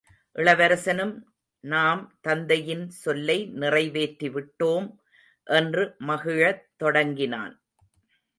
இளவரசனும் நாம் தந்தையின் சொல்லை நிறை வேற்றிவிட்டோம் என்று மகிழத் தொடங்கினான்.